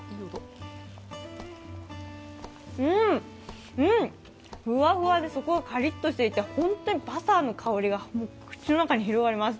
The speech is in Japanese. うんうん、ふわふわですごいカリッとしていて本当にバターの香りが口の中に広がります。